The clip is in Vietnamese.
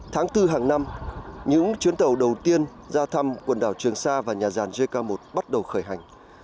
tháng bốn hàng năm những chuyến tàu đầu tiên ra thăm quần đảo trường sa và nhà ràn jk một bắt đầu khởi hành